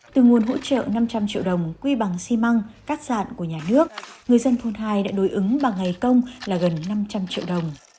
từ nguồn hỗ trợ năm trăm linh triệu đồng quy bằng xi măng cắt dạn của nhà nước người dân thôn hai đã đối ứng bằng ngày công là gần năm trăm linh triệu đồng